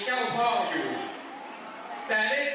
เขาบอกว่าสมรคลุมของการเงินสาแก้วเปลี่ยนแล้ว